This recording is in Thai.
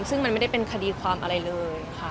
ซึ่งมันไม่ได้เป็นคดีความอะไรเลยค่ะ